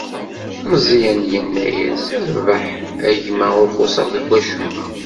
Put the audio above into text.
Meẓyan yenna-as: Rebḥeɣ, a gma, ur xuṣṣeɣ deg wacemma.